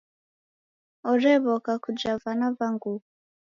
Orew'oka kuja vana va nguku.